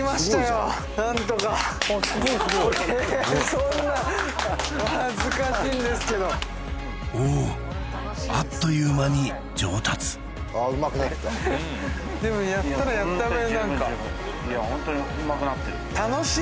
そんなお恥ずかしいんですけどおおあっという間に上達でもやったらやった分何かいやホントにうまくなってる